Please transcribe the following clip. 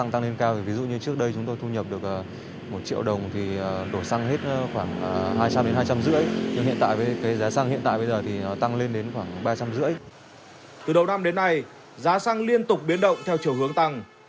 từ đầu năm đến nay giá xăng liên tục biến động theo chiều hướng tăng